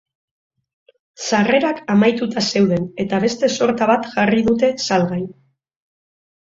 Sarrerak amaituta zeuden eta beste sorta bat jarri dute salgai.